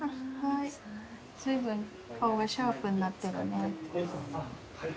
随分顔がシャープになってるね。